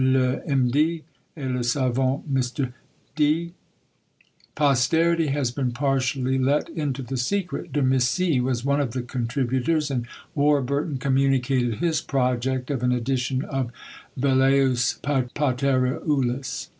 B., le M.D., et le savant Mr. D." Posterity has been partially let into the secret: De Missy was one of the contributors, and Warburton communicated his project of an edition of Velleius Patereulus.